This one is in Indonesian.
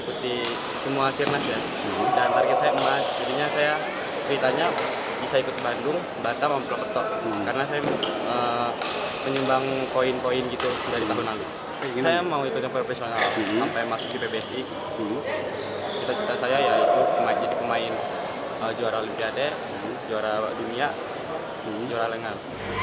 kisah kisah saya yaitu jadi pemain juara olimpiade juara dunia juara lengal